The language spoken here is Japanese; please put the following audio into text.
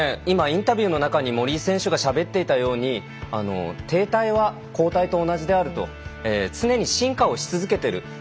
今インタビューの中に森井選手がしゃべっていたように停滞は後退と同じであると常に進化をし続けている。